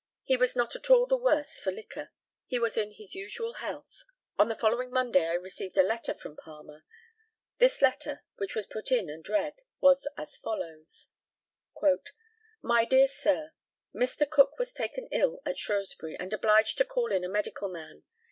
He was not at all the worse for liquor. He was in his usual health. On the following Monday I received a letter from Palmer. This letter, which was put in and read, was as follows: "My dear Sir, Mr. Cook was taken ill at Shrewsbury, and obliged to call in a medical man.